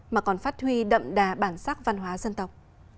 mà còn phát huy đậm đà bản sắc văn hóa dân tộc